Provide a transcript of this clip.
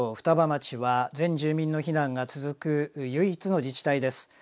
双葉町は全住民の避難が続く唯一の自治体です。